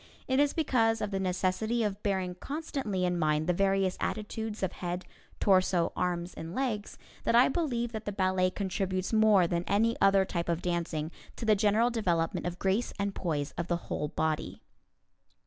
It is because of the necessity of bearing constantly in mind the various attitudes of head, torso, arms and legs that I believe that the ballet contributes more than any other type of dancing to the general development of grace and poise of the whole body.